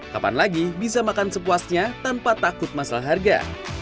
kapan lagi bisa makan sepuasnya tanpa takut masalah harga